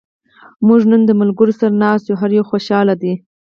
موږ نن د ملګرو سره ناست یو. هر یو خوشحاله دا.